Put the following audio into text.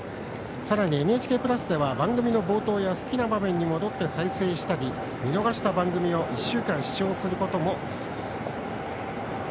さらに「ＮＨＫプラス」では番組の冒頭や好きな場面に戻って再生したり、見逃した番組を１週間、視聴することもできます。